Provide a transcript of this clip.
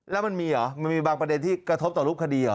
แล้วมันมีเหรอมันมีบางประเด็นที่กระทบต่อรูปคดีเหรอ